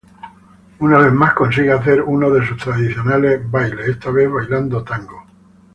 Una vez más, consigue hacer uno de sus tradicionales bailes, esta vez bailando tango.